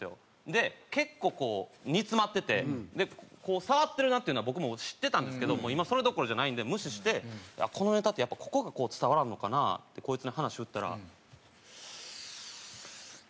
で結構煮詰まってて触ってるなっていうのは僕も知ってたんですけど今それどころじゃないんで無視して「このネタってやっぱここが伝わらんのかな」ってこいつに話振ったら。